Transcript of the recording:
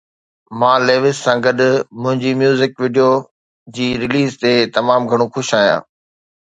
مان ليوس سان گڏ منهنجي ميوزڪ ويڊيو جي رليز تي تمام گهڻو خوش آهيان